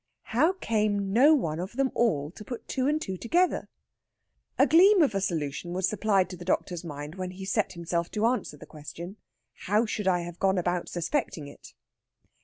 How came no one of them all to put two and two together? A gleam of a solution was supplied to the doctor's mind when he set himself to answer the question, "How should I have gone about suspecting it?"